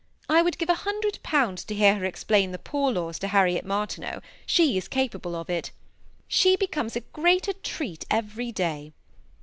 I would give £100 to hear her explain the poor laws to Harriet Martineau ; she is capable of it She becomes a greater treat every day.'